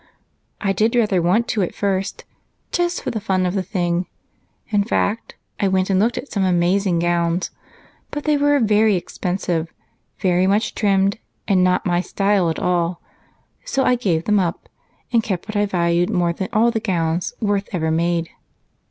"I did rather want to at first, just for the fun of the thing. In fact, I went and looked at some amazing gowns. But they were very expensive, very much trimmed, and not my style at all, so I gave them up and kept what I valued more than all the gowns Worth every made."